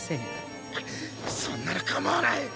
そんなのかまわない！